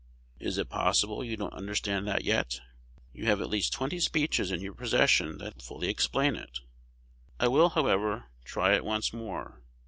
Is it possible you don't understand that yet? You have at least twenty speeches in your possession that fully explain it. I will, however, try it once more.